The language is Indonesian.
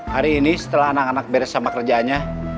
hari ini setelah anak anak beres sama kerjanya